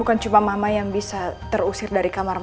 bukan cuma mama yang bisa terusir dari kamar